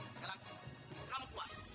sekarang kamu keluar